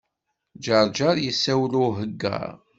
Ǧeṛǧeṛ yessawel i Uheggaṛ.